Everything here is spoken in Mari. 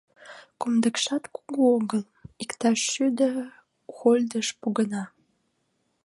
Кумдыкшат кугу огыл — иктаж шӱдӧ хольдыш погына.